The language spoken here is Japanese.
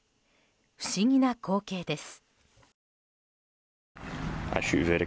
不思議な光景です。